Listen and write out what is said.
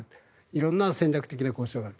色んな戦略的な交渉がある。